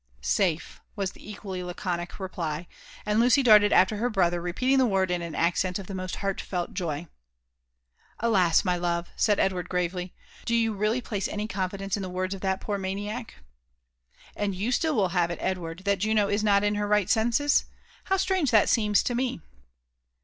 '* Safe 1" was the equally laconic reply ; and Lucy darted after her brother, repeating the word in an accent of the most heartfelt joy. ''Alas! my love," said Edward gravely, " do you really place any confidence in the words of that poor maniac T' " And you still will have it, Edward, that Juno is not in her right senses? How strange that seems to me."